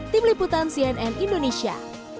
tim liputan cnn indonesia